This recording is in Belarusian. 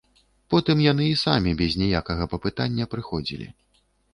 Потым яны і самі, без ніякага папытання, прыходзілі.